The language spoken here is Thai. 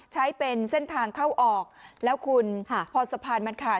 ใช้เป็นเส้นทางเข้าออกแล้วคุณค่ะพอสะพานมันขาด